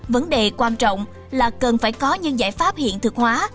vấn đề quan trọng là cần phải có những giải pháp hiện thực hóa